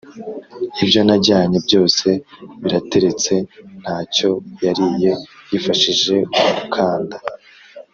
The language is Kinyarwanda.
ibyo najyanye byose birateretse, nta cyo yariye yifashije umukanda.’